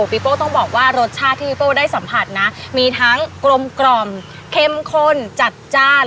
ผมเข้าบอกว่ารสชาติที่ผมได้สัมผัสนะมีทั้งกลมกล่อมเข็มข้นจัดจ้าน